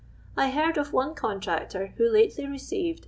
I heard of one contrattwr who latidy received 2